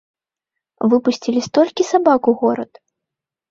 Выпусцілі столькі сабак у горад!